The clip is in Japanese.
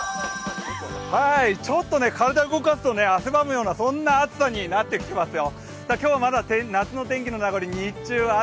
ちょっと体動かすと汗ばむようなそんな暑さになってきてますよ。